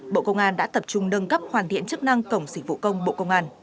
bộ công an đã tập trung nâng cấp hoàn thiện chức năng cổng dịch vụ công bộ công an